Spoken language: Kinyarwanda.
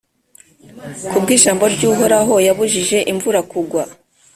Ku bw’ijambo ry’Uhoraho yabujije imvura kugwa,